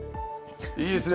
いいですね。